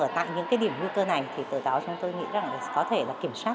ở tại những điểm nguy cơ này từ đó chúng tôi nghĩ có thể kiểm soát